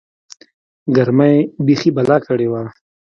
گرمۍ بيخي بلا کړې وه.